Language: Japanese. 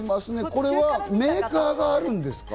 これはメーカーがあるんですか？